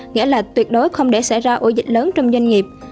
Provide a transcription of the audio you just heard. nghĩa là tuyệt đối không để xảy ra ổ dịch lớn trong doanh nghiệp